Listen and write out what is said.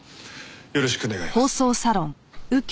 よろしく願います。